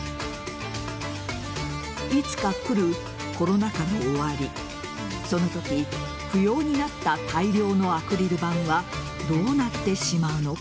いつか来るコロナ禍の終わりそのとき、不要になった大量のアクリル板はどうなってしまうのか。